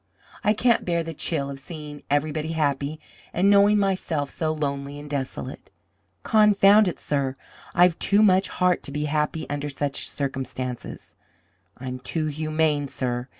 I can't bear the chill of seeing everybody happy, and knowing myself so lonely and desolate. Confound it, sir, I've too much heart to be happy under such circumstances! I'm too humane, sir!